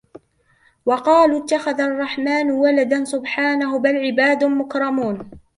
وقالوا اتخذ الرحمن ولدا سبحانه بل عباد مكرمون